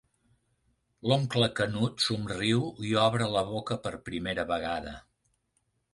L'oncle Canut somriu i obre la boca per primera vegada.